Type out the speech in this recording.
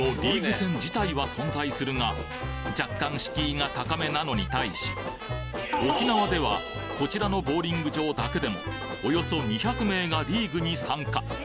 若干敷居が高めなのに対し沖縄ではこちらのボウリング場だけでもおよそ２００名がリーグに参加